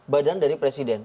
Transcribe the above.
badan dari presiden